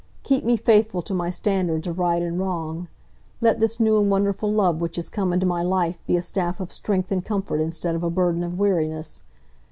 Keep me faithful to my standards of right and wrong. Let this new and wonderful love which has come into my life be a staff of strength and comfort instead of a burden of weariness.